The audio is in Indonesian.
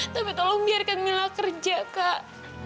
tapi tolong biarkan mila kerja kak